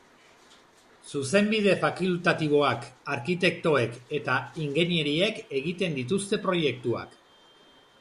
Zuzenbide fakultatiboak, arkitektoek eta ingeneriek egiten dituzte proiektuak.